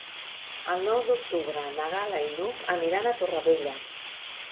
El nou d'octubre na Gal·la i n'Hug aniran a Torrevella.